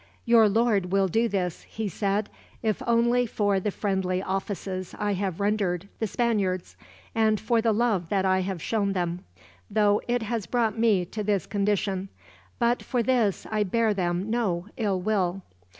"Your lord will do this," he said, "if only for the friendly offices I have rendered the Spaniards; and for the love that I have shown them, though it has brought me to this condition; but for this I bear them no ill will."